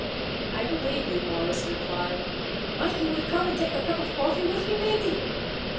"I believe you," Morris replied. "Might you would come and take a cup of coffee with me, maybe?"